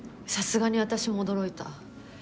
さすがに私も驚いた。